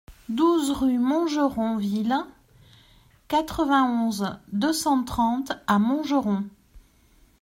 douze rue Montgeron-Ville, quatre-vingt-onze, deux cent trente à Montgeron